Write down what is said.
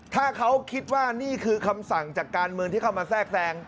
ถ้าเขาคิดว่านี่คือคำสั่งจากการเมืองที่เข้ามาแทรกแทรง